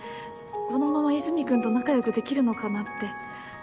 このまま和泉君と仲よくできるのかなって